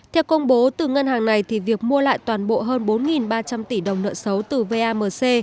theo công bố từ ngân hàng này việc mua lại toàn bộ hơn bốn ba trăm linh tỷ đồng nợ xấu từ vamc